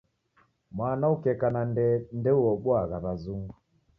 Mwana ukeka na ndee ndeuobuagha w'azungu.